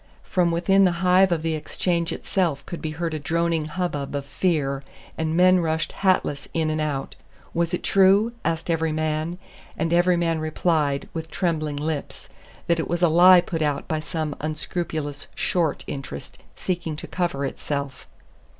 From within the hive of the Exchange itself could be heard a droning hubbub of fear and men rushed hatless in and out. Was it true? asked every man; and every man replied, with trembling lips, that it was a lie put out by some unscrupulous "short" interest seeking to cover itself.